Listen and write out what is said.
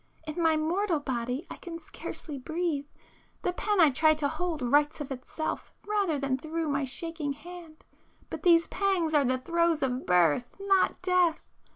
In my mortal body I can scarcely breathe,—the pen I try to hold writes of itself rather than through my shaking hand,—but these pangs are the throes of birth—not death!